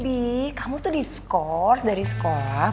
tapi kamu tuh diskor dari sekolah